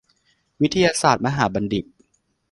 วิทยาศาสตร์มหาบัณฑิต